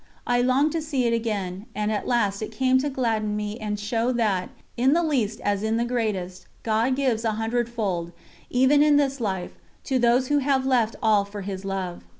I longed to see it again, and at last it came to gladden me and show that, in the least as in the greatest, God gives a hundred fold, even in this life, to those who have left all for His Love.